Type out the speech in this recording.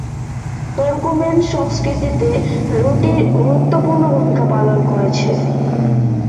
Turkmen সংস্কৃতিতে রুটি গুরুত্বপূর্ণ ভূমিকা পালন করেছে।